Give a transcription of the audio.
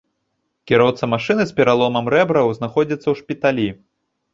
Кіроўца машыны з пераломам рэбраў знаходзіцца ў шпіталі.